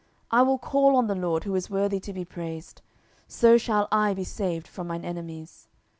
10:022:004 I will call on the LORD, who is worthy to be praised: so shall I be saved from mine enemies.